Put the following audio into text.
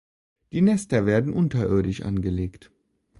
Die Nester werden unterirdisch angelegt.